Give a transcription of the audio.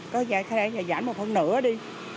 có thể là giảm một phần nửa đi